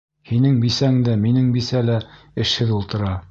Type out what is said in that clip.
Һинең бисәң дә, минең бисә лә эшһеҙ ултыра.